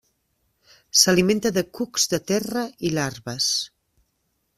S'alimenta de cucs de terra i larves.